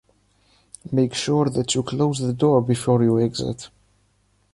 Make sure that you close the door before you exit.